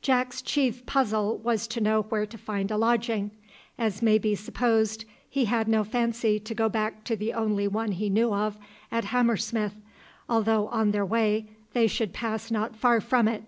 Jack's chief puzzle was to know where to find a lodging. As may be supposed, he had no fancy to go back to the only one he knew of at Hammersmith, although on their way they should pass not far from it.